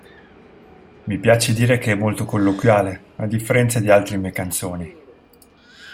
Mi piace dire che è molto colloquiale, a differenza di altre mie canzoni".